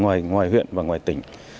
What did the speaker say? ở ngoài huyện và ngoài tỉnh